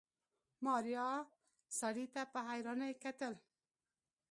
ماريا سړي ته په حيرانۍ کتل.